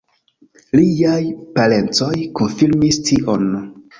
Liaj parencoj konfirmis tion.